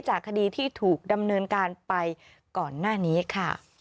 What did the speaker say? จากคดีที่ถูกดำเนินการไปก่อนหน้านี้ค่ะ